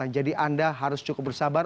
jadi anda harus cukup bersabar